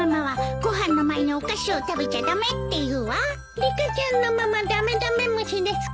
リカちゃんのママダメダメ虫ですか？